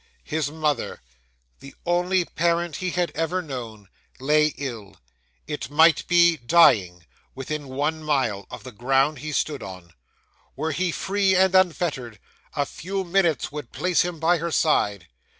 His mother, the only parent he had ever known, lay ill it might be, dying within one mile of the ground he stood on; were he free and unfettered, a few minutes would place him by her side.